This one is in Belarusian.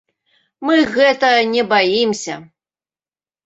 Мы гэтага не баімся.